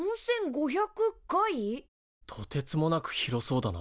とてつもなく広そうだな。